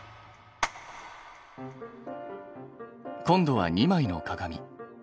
今度は２枚の鏡。